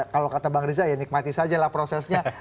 kalau kata bang riza ya nikmati saja lah prosesnya